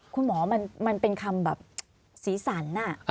คุณหมอมันเป็นคำแบบสีสันอะ